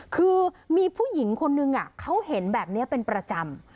คือมีผู้หญิงคนนึงเขาเห็นแบบนี้เป็นประจำ